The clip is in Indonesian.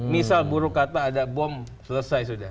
misal buruk kata ada bom selesai semua ya